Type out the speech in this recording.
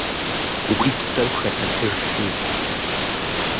Уи псэр пхэлъэтыжти!